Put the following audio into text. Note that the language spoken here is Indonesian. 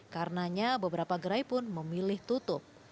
karenanya beberapa gerai pun memilih tutup